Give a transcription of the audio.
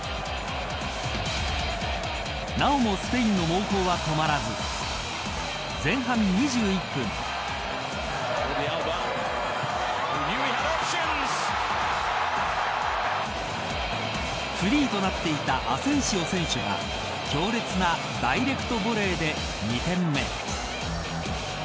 なおもスペインの猛攻は止まらず前半２１分フリーとなっていたアセンシオ選手が強烈なダイレクトボレーで２点目。